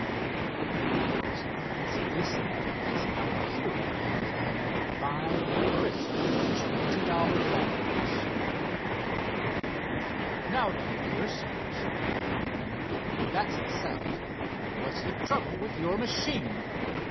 The old farmer's eyes glistened as our hero handed him five crisp twenty dollar banknotes. "Now then, Pierce," spoke the young airman, "that's settled. What's the trouble with your machine?"